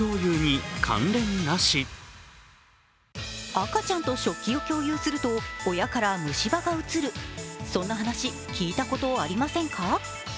赤ちゃんと食器を共有すると親から虫歯がうつる、そんな話、聞いたことありませんか？